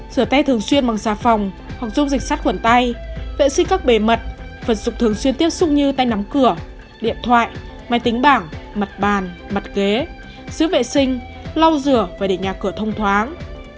sửa tay thường xuyên bằng xà phòng hoặc dùng dịch sắt khuẩn tay vệ sinh các bề mật phần sục thường xuyên tiếp xúc như tay nắm cửa điện thoại máy tính bảng mặt bàn mặt ghế giữ vệ sinh lau rửa và để nhà cửa thông thoáng